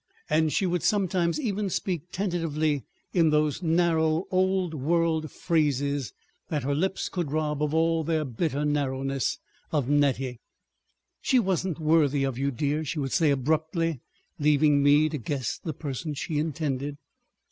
And she would sometimes even speak tentatively in those narrow, old world phrases that her lips could rob of all their bitter narrowness, of Nettie. "She wasn't worthy of you, dear," she would say abruptly, leaving me to guess the person she intended.